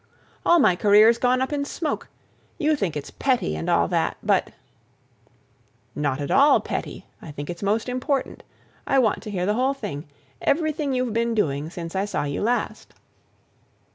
"All my career's gone up in smoke; you think it's petty and all that, but—" "Not at all petty. I think it's most important. I want to hear the whole thing. Everything you've been doing since I saw you last."